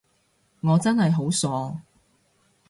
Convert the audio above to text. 我真係好傻